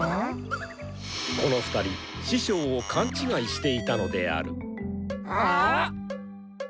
この２人師匠を勘違いしていたのである。